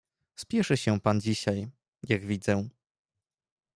"Spieszy się pan dzisiaj, jak widzę."